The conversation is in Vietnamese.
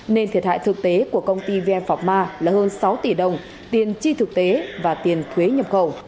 nên thiệt hại thực tế của công ty vn phạc ma là hơn sáu tỷ đồng tiền chi thực tế và tiền thuế nhập khẩu